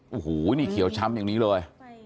โอ้โหนี่เขียวช้ำอย่างนี้เลย